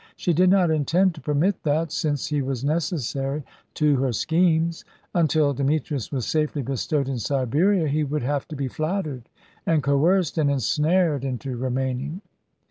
She did not intend to permit that, since he was necessary to her schemes. Until Demetrius was safely bestowed in Siberia he would have to be flattered and coerced and ensnared into remaining.